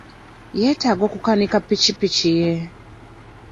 Yeetaaga okukanika pikipiki ye.